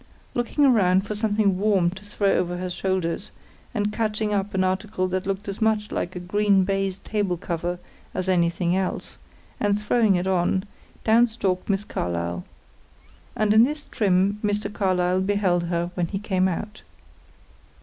Looking round for something warm to throw over her shoulders, and catching up an article that looked as much like a green baize table cover as anything else, and throwing it on, down stalked Miss Carlyle. And in this trim Mr. Carlyle beheld her when he came out.